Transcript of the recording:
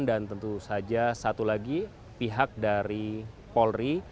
dan tentu saja satu lagi pihak dari polri